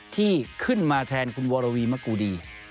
ที่ขึ้นมาแทนคุณวรวีมะกูดี